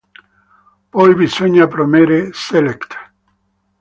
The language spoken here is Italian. Poi bisogna premere “Select”.